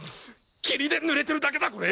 霧で濡れてるだけだコレ。